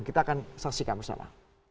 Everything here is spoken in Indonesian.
kita akan saksikan bersama